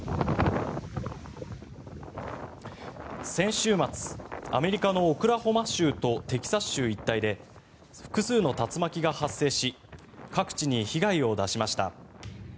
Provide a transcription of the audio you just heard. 先週末、アメリカのオクラホマ州とテキサス州一帯で複数の竜巻が発生し各地に被害を出しました。